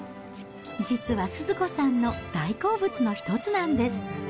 実はスズ子さんの大好物の一つなんです。